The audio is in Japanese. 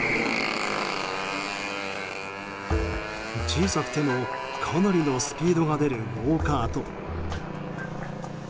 小さくても、かなりのスピードが出るゴーカート。